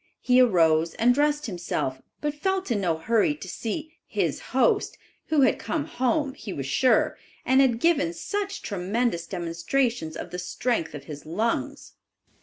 He arose and dressed himself, but felt in no hurry to see "his host," who had come home, he was sure, and had given such tremendous demonstrations of the strength of his lungs.